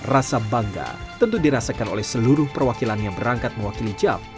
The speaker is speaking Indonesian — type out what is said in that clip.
rasa bangga tentu dirasakan oleh seluruh perwakilan yang berangkat mewakili jav